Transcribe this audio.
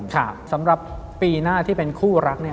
สำหรับปีหน้าที่เป็นคู่รักเนี่ย